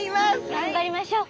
頑張りましょう！